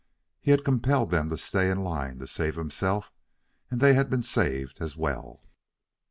He had compelled them to stay in line to save himself, and they had been saved as well.